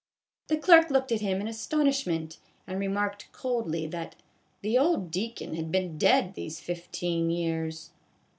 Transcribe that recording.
The clerk looked at him in astonish ment and remarked coldly that " the old deacon had been dead these fifteen years."